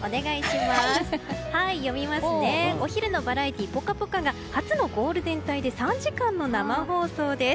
お昼のバラエティー「ぽかぽか」が初のゴールデン帯で３時間の生放送です。